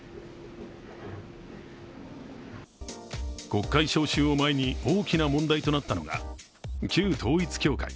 国会召集を前に、大きな問題となったのが、旧統一教会。